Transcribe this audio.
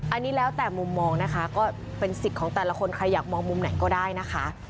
อันนี้แล้วแต่มุมมองนะคะก็เป็นสิทธิ์ของแต่ละคนใครอยากมองมุมไหนก็ได้นะคะ